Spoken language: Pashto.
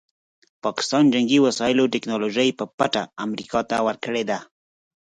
پاکستان جنګي وسایلو ټیکنالوژي په پټه امریکا ته ورکړې ده.